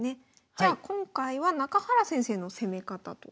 じゃあ今回は中原先生の攻め方と。